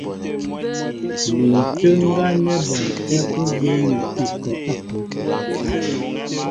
Mi ǹtə́ə́ ŋgá nɛ́ bɔnkɛ́ ú bə mi ikɔ ápə́.